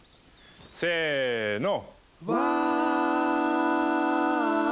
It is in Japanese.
せの。